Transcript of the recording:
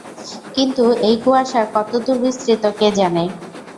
কিন্তু, এই কুয়াশা কতদূর বিস্তৃত কে জানে!